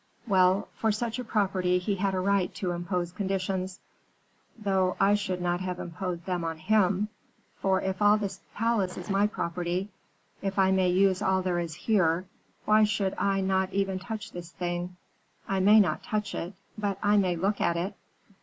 Well, for such a property he had a right to impose conditions; though I should not have imposed them on him. For if all this palace is my property, if I may use all that is here, why should I not even touch this thing I may not touch it, but I may look at it.'